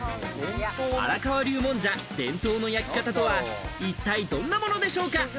荒川流もんじゃ伝統の焼き方とは一体どんなものでしょうか？